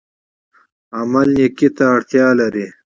عمل نیکۍ ته اړتیا لري